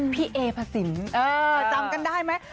พี่เอพระสินจำกันได้ไหม